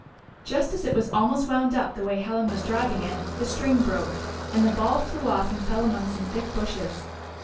Just as it was almost wound up the way Helen was driving it the string broke, and the ball flew off and fell among some thick bushes.